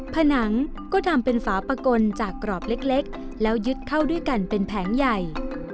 ผนังก็ทำเป็นฝาปะกลจากกรอบเล็กแล้วยึดเข้าด้วยกันเป็นแผงใหญ่